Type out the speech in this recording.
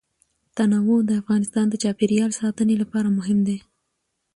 تنوع د افغانستان د چاپیریال ساتنې لپاره مهم دي.